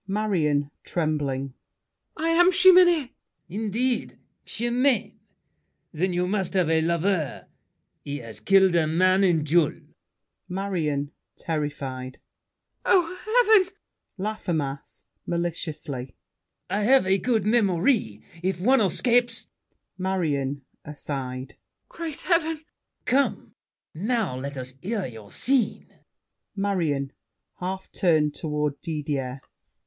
MARION (trembling). I am Chimène! LAFFEMAS. Indeed! Chimène? Then you must have a lover. He has killed a man in duel— MARION (terrified). Oh, heaven! LAFFEMAS (maliciously). I've a good memory. If one escapes— MARION (aside). Great heaven! LAFFEMAS. Come! Now let us hear your scene MARION (half turned toward Didier).